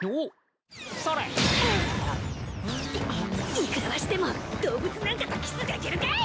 いくらわしでも動物なんかとキスできるかい！